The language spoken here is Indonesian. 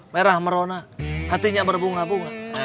merah merona hatinya berbunga bunga